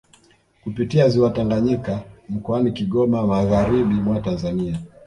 Kupitia ziwa Tanganyika mkoani Kigoma magharibi mwa Tanzania